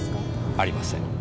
ありません。